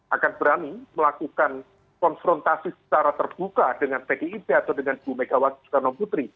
akan berani melakukan konfrontasi secara terbuka dengan pdip atau dengan bu megawati soekarno putri